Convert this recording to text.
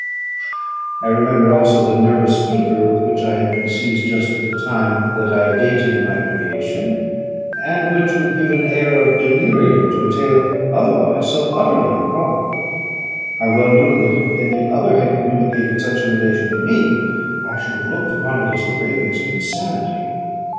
I remembered also the nervous fever with which I had been seized just at the time that I dated my creation, and which would give an air of delirium to a tale otherwise so utterly improbable. I well knew that if any other had communicated such a relation to me, I should have looked upon it as the ravings of insanity.